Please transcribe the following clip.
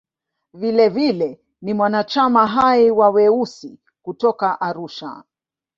Vilevile ni mwanachama hai wa "Weusi" kutoka Arusha.